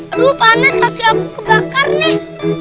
aduh panas kaki aku kebakar nih